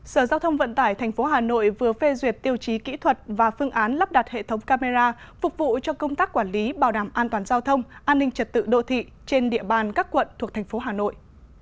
sở giao thông vận tải tp hà nội vừa phê duyệt tiêu chí kỹ thuật và phương án lắp đặt hệ thống camera phục vụ cho công tác quản lý bảo đảm an toàn giao thông an ninh trật tự đô thị trên địa bàn các quận thuộc thành phố hà nội